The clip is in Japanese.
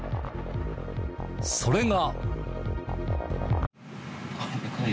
それが。